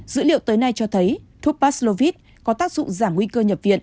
dữ liệu tới nay cho thấy thuốc paslovit có tác dụng giảm nguy cơ nhập viện